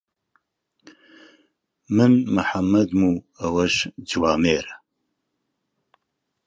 من محەممەدم و ئەوەش جوامێرە.